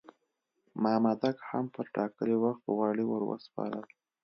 مامدک هم پر ټاکلي وخت غوړي ور وسپارل.